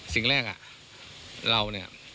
สิ่งแรกเราเนี่ย